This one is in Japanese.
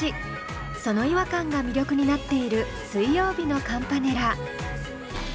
その違和感が魅力になっている水曜日のカンパネラ。